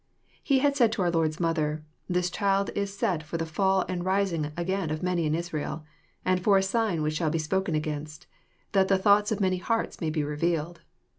He had said to oar Lord's mother, '^ This child is set for the fall and rising again of many in Israel : and for a sign which shall be spoken against ;— that the thoughts of many hearts may be revealed."